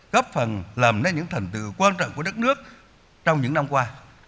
góp phần làm nên những thành tựu quan trọng của đất nước trong những năm qua